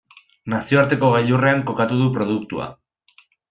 Nazioarteko gailurrean kokatu du produktua.